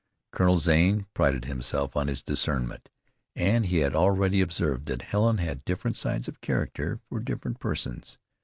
Colonel Zane prided himself on his discernment, and he had already observed that Helen had different sides of character for different persons.